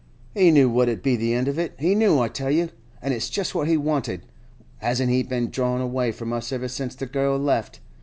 He knew what 'ud be the end of it—he knew, I tell you,—an' it's just what he wanted. Hasn't he been drawin' away from us ever since the girl left?